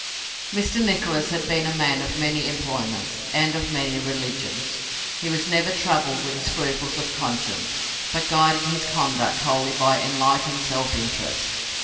Mr. Nicholas had been a man of many employments, and of many religions. He was never troubled with scruples of conscience, but guided his conduct wholly by enlightened self interest.